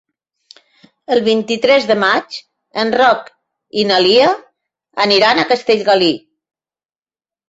El vint-i-tres de maig en Roc i na Lia aniran a Castellgalí.